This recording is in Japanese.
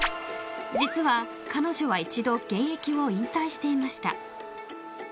［実は彼女は一度現役を引退していました］